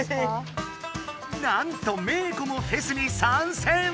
なんとメー子もフェスに参戦！